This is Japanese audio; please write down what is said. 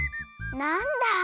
なんだ。